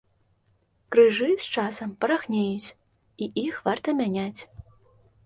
Крыжы з часам парахнеюць і іх варта мяняць.